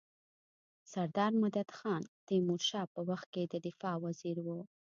سردار مددخان د تيمورشاه په وخت کي د دفاع وزیر وو.